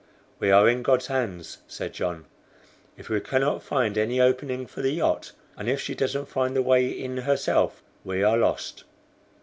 "We are in God's hands," said John. "If we cannot find any opening for the yacht, and if she doesn't find the way in herself, we are lost."